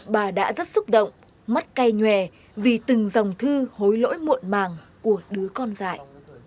bà đã rất xúc động mắt cay nhòe vì từng dòng thư hối lỗi muộn màng của đứa con dại